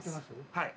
はい。